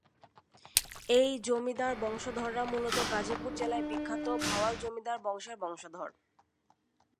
এই জমিদার বংশধররা মূলত গাজীপুর জেলার বিখ্যাত ভাওয়াল জমিদার বংশের বংশধর।